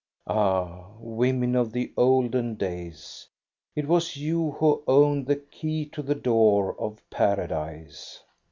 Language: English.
Ah, women of the olden days, it was you who owned the key to the door of Paradise.